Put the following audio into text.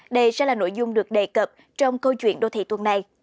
đây sẽ là nội dung được đề cập trong câu chuyện đô thị tuần này